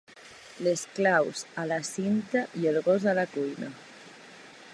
Les claus a la cinta i el gos a la cuina.